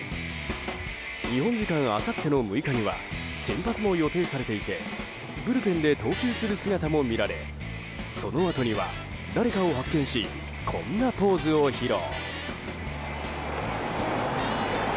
日本時間あさっての６日には先発も予定されていてブルペンで投球する姿も見られそのあとには、誰かを発見しこんなポーズを披露。